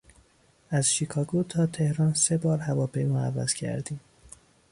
از شیکاگو تا تهران سه بار هواپیما عوض کردیم.